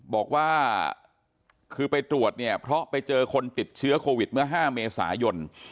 บอกว่าคือไปตรวจเนี่ยเพราะไปเจอคนติดเชื้อโควิดเมื่อ๕เมษายน